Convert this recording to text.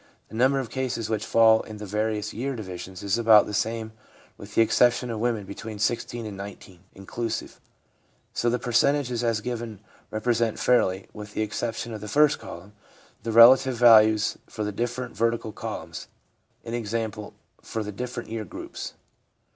the number of cases which fall in the various year divisions is about the same, with the exception of women between 16 and 19 inclusive ; so the percentages as given represent fairly, with the exception of the first column, the relative values for the different vertical columns, i.e., for the different year groups.